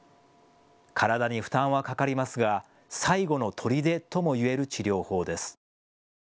体に負担はかかりますが最後のとりでともいえる治療法です。